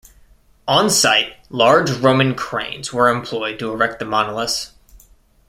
On site, large Roman cranes were employed to erect the monoliths.